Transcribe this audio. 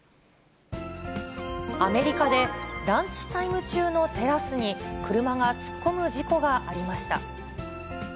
アメリカでランチタイム中のテラスに車が突っ込む事故がありました。